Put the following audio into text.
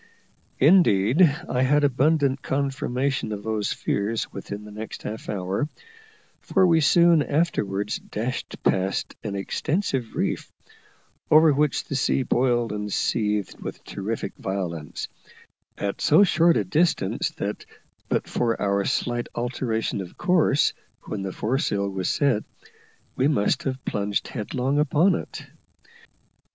Indeed, I had abundant confirmation of these fears within the next half hour, for we soon afterwards dashed past an extensive reef over which the sea boiled and seethed with terrific violence at so short a distance that, but for our slight alteration of course when the foresail was set, we must have plunged headlong upon it.